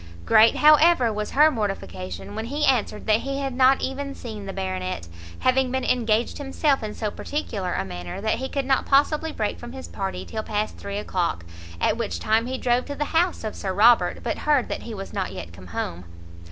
Great, however, was her mortification when he answered that he had not even seen the Baronet, having been engaged himself in so particular a manner, that he could not possibly break from his party till past three o'clock, at which time he drove to the house of Sir Robert, but heard that he was not yet come home.